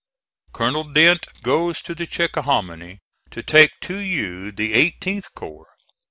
Colonel Dent goes to the Chickahominy to take to you the 18th corps.